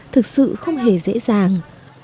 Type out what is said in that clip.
thực sự không hề dễ dàng